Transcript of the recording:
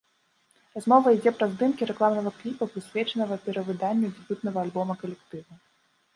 Размова ідзе пра здымкі рэкламнага кліпа, прысвечанага перавыданню дэбютнага альбома калектыву.